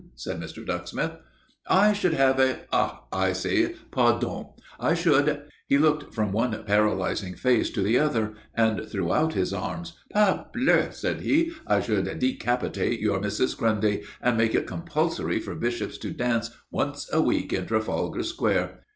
said Mr. Ducksmith. "I should have a ah, I see pardon. I should " He looked from one paralyzing face to the other, and threw out his arms. "Parbleu!" said he, "I should decapitate your Mrs. Grundy, and make it compulsory for bishops to dance once a week in Trafalgar Square.